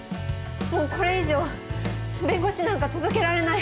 もうこれ以上弁護士なんか続けられない。